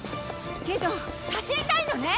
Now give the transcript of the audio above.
けど走りたいのね？